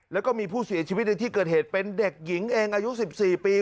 แล้วก็มีผู้เสียชีวิตในที่เกิดเหตุเป็นเด็กหญิงเองอายุ๑๔ปี